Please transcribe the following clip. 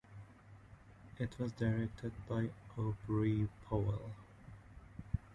It was directed by Aubrey Powell.